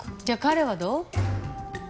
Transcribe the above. じゃあ彼はどう？